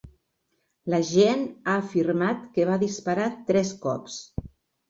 L'agent ha afirmat que va disparar tres cops.